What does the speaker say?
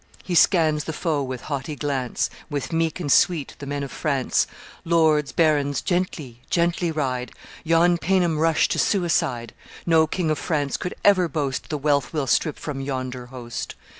He scans the foe with haughty glance, With meek and sweet the men of France 'Lords barons, gently, gently ride; Yon Paynim rush to suicide; No king of France could ever boast The wealth we'll strip from yonder host.